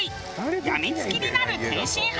やみつきになる天津飯。